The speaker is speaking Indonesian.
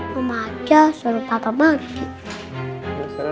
mama aja suruh papa mandi